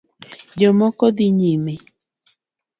Jomoko dhi nyime